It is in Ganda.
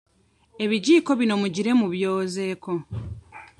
Ebijiiko bino mugire mubyozeeko.